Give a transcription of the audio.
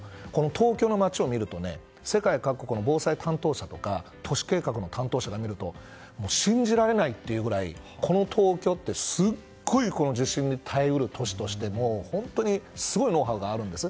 東京の街を見ると世界各国の防災担当者とか都市計画の担当者が見ると信じられないというぐらいこの東京ってすごい地震に耐え得る都市としてすごいノウハウがあるんです。